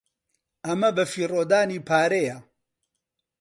ئەمە بەفیڕۆدانی پارەیە.